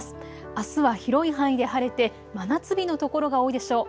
あすは広い範囲で晴れて真夏日の所が多いでしょう。